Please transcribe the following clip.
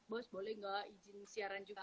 bos boleh nggak izin siaran juga